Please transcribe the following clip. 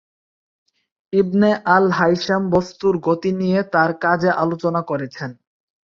Ibn al Haytham বস্তুর গতি নিয়ে তাঁর কাজে আলোচনা করেছেন।